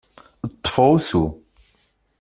Ṭṭfeɣ usu.